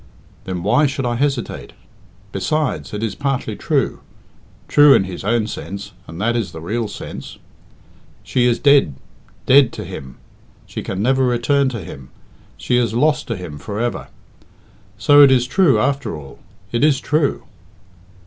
Then why should I hesitate? Besides, it is partly true true in its own sense, and that is the real sense. She is dead dead to him. She can never return to him; she is lost to him for ever. So it is true after all it is true."